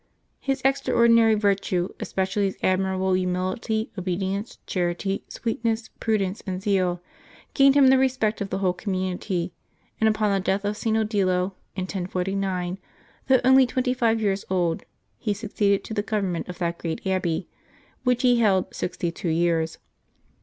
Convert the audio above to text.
His extraordinary virtue, especially his admirable humility, obedience, charity, sweet ness, prudence, and zeal, gained him the respect of the whole community; and upon the death of St. Odilo, in 1049, though only twenty five years old, he succeeded to the government of that great abbey, which he held sixty two years.